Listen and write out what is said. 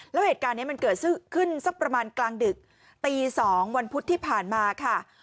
แล้วเหตุการณ์นี้มันเกิดขึ้นสักประมาณกลางดึกตี๒วันพุธที่ผ่านมาค่ะ